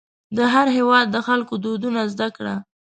د هر هېواد د خلکو دودونه زده کړه.